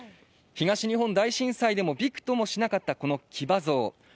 東日本大震災でも、びくともしなかった騎馬像。